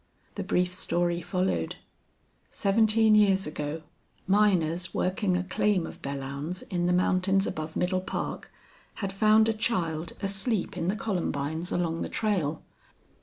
The brief story followed. Seventeen years ago miners working a claim of Belllounds's in the mountains above Middle Park had found a child asleep in the columbines along the trail.